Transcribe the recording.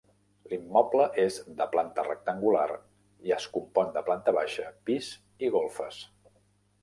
L'immoble és de planta rectangular i es compon de planta baixa, pis i golfes.